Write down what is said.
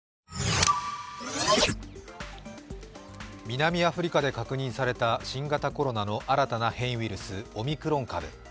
南アフリカで確認された新型コロナの新たな変異ウイルス、オミクロン株。